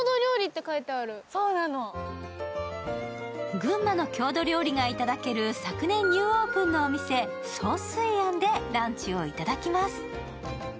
群馬の郷土料理がいただける昨年ニューオープンのお店、蒼水庵でランチをいただきます。